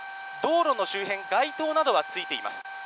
道路の周辺、街灯などはついています。